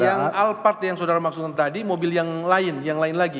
yang al part yang saudara maksudkan tadi mobil yang lain yang lain lagi